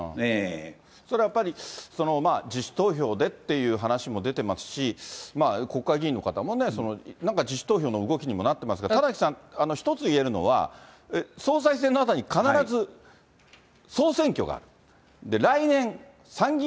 それはやっぱり、自主投票でっていう話も出てますし、国会議員の方もね、なんか自主投票の動きにもなってますが、田崎さん、一つ言えるのは、総裁選のあとに必ず総選挙がある。